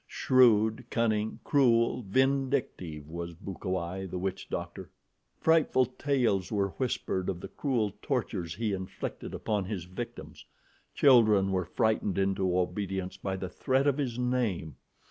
Shrewd, cunning, cruel, vindictive, was Bukawai, the witch doctor. Frightful tales were whispered of the cruel tortures he inflicted upon his victims. Children were frightened into obedience by the threat of his name.